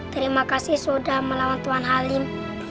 terima kasih sudah melawan tuhan halim